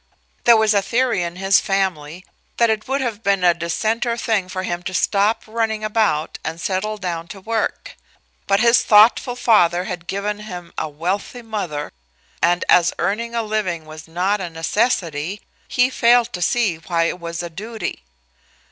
There was a theory in his family that it would have been a decenter thing for him to stop running about and settle down to work. But his thoughtful father had given him a wealthy mother, and as earning a living was not a necessity, he failed to see why it was a duty.